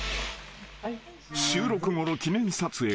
［収録後の記念撮影。